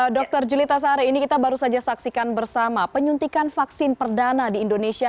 dokter julie tasari ini kita baru saja saksikan bersama penyuntikan vaksin perdana di indonesia